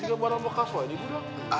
tiga barang bekas woy di gudang